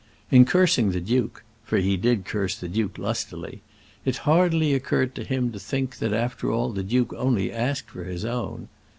In cursing the duke for he did curse the duke lustily it hardly occurred to him to think that, after all, the duke only asked for his own.